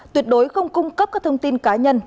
tuyệt đối không cung cấp các thông tin cá nhân